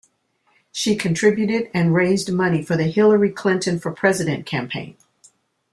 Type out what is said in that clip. She contributed and raised money for the Hillary Clinton for President campaign.